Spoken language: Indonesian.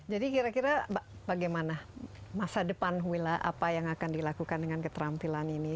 jadi kira kira bagaimana masa depan willa apa yang akan dilakukan dengan keterampilan ini